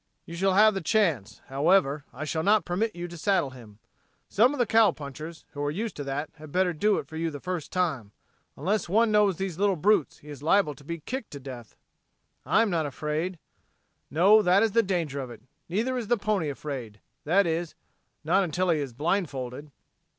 "You shall have the chance. However, I shall not permit you to saddle him. Some of the cowpunchers, who are used to that, had better do it for you the first time. Unless one knows these little brutes he is liable to be kicked to death." "I am not afraid." "No, that is the danger of it. Neither is the pony afraid that is, not until he is blindfolded."